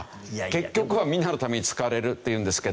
結局はみんなのために使われるっていうんですけど。